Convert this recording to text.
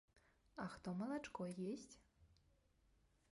А хто малачко есць?